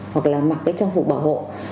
hoặc là mặc cái trang phục bảo hộ